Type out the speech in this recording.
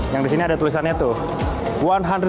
yang di sini ada tulisannya tuh